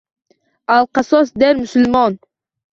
Alqasos, der musulmon.